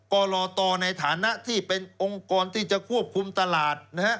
กรตในฐานะที่เป็นองค์กรที่จะควบคุมตลาด